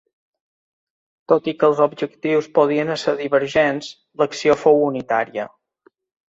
Tot i que els objectius podien ésser divergents, l'acció fou unitària.